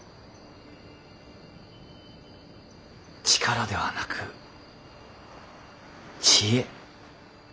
力ではなく知恵。